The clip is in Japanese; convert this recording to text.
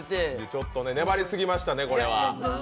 ちょっと粘りすぎましたね、これは。